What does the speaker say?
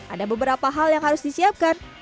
ada beberapa hal yang harus disiapkan